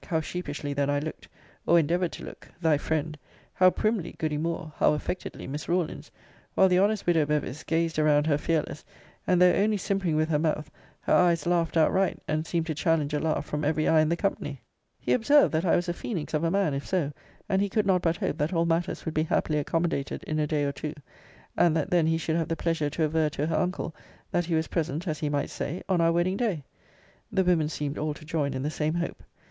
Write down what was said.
how sheepishly then looked, or endeavoured to look, thy friend! how primly goody Moore! how affectedly Miss Rawlins! while the honest widow Bevis gazed around her fearless; and though only simpering with her mouth, her eyes laughed outright, and seemed to challenge a laugh from every eye in the company. He observed, that I was a phoenix of a man, if so; and he could not but hope that all matters would be happily accommodated in a day or two; and that then he should have the pleasure to aver to her uncle, that he was present, as he might say, on our wedding day. The women seemed all to join in the same hope.